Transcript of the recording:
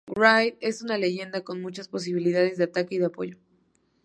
Wraith es una leyenda con muchas posibilidades de ataque y de apoyo.